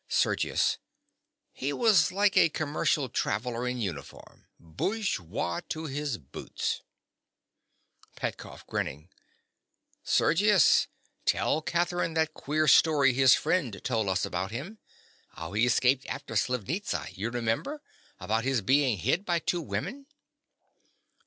SERGIUS. He was like a commercial traveller in uniform. Bourgeois to his boots. PETKOFF. (grinning). Sergius: tell Catherine that queer story his friend told us about him—how he escaped after Slivnitza. You remember?—about his being hid by two women.